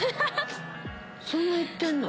そんないってんの？